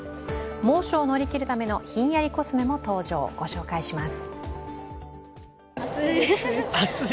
猛暑を乗り切るためのひんやりコスメも登場、ご紹介します。